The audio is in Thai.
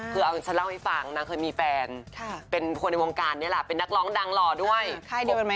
คือเอาฉันเล่าให้ฟังนางเคยมีแฟนเป็นคนในวงการนี่แหละเป็นนักร้องดังหล่อด้วย